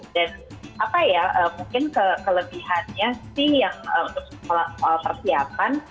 dan apa ya mungkin kelebihannya sih yang persiapan